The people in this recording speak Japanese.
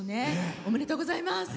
おめでとうございます！